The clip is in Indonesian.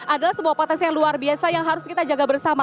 adalah sebuah potensi yang luar biasa yang harus kita jaga bersama